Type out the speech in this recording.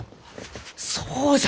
そうじゃ！